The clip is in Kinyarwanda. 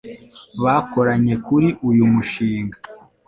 Bakoranye kuri uyu mushinga.